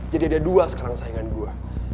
jadi ada dua sekarang saingan gue